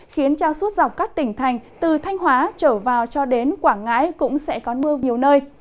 khiến cho suốt dọc các tỉnh thành từ thanh hóa trở vào cho đến quảng ngãi cũng sẽ có mưa nhiều nơi